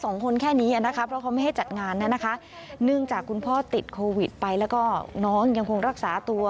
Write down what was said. เนื่องจากคุณพ่อติดโควิดไปแล้วก็น้องยังคงรักษาตัว